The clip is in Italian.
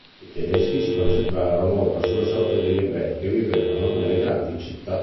I tedeschi si concentrarono ora sulla sorte degli ebrei che vivevano nelle grandi città.